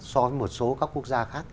so với một số các quốc gia khác